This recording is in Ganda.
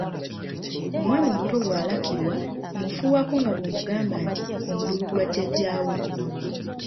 Omwana omuto bw’alakirwa omufuuwako nga bwomugamba nti omululu gwa jjajjaawo.